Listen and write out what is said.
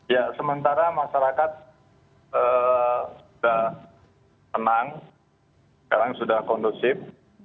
ya sementara masyarakat sudah tenang sekarang sudah kondusif